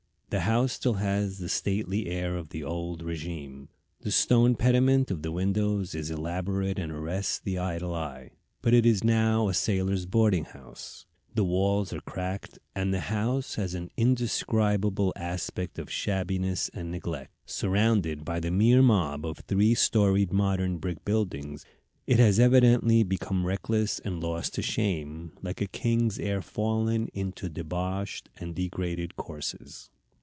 The house still has the stately air of the old régime. The stone pediment of the windows is elaborate and arrests the idle eye. But it is now a sailors' boarding house. The walls are cracked, and the house has an indescribable aspect of shabbiness and neglect. Surrounded by the mere mob of three storied modern brick buildings, it has evidently become reckless and lost to shame, like a king's heir fallen into debauched and degraded courses.